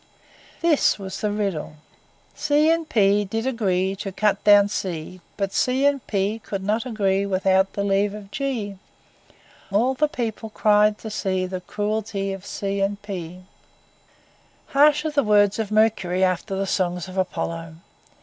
This was the riddle— C and P Did agree To cut down C; But C and P Could not agree Without the leave of G; All the people cried to see The crueltie Of C and P. Harsh are the words of Mercury after the songs of Apollo!